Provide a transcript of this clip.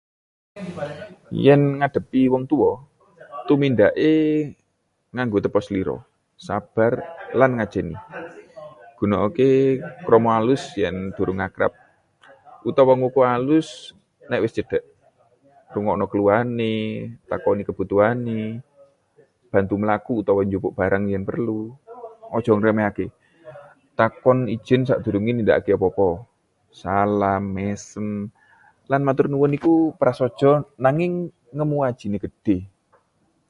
Yen ngadepi wong tuwa, tumindaké nganggo tepa selira, sabar, lan ngajeni. Gunakake krama alus yen durung akrab, utawa ngoko alus nek wis cedhak. Rungokna keluhane, takoni kabutuhané, bantu mlaku utawa njupuk barang yen perlu. Aja ngremehké, takon ijin sadurunge nindakaké apa-apa. Salam, mesem, lan matur nuwun iku prasaja nanging ngemu ajiné gedhé.